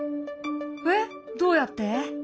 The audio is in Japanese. えっどうやって？